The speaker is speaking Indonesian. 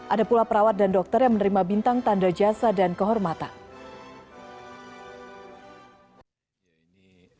ada pula perawat dan dokter yang menerima bintang tanda jasa dan kehormatan